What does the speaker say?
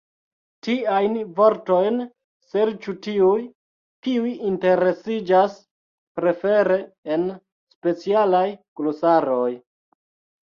Tiajn vortojn serĉu tiuj, kiuj interesiĝas, prefere en specialaj glosaroj.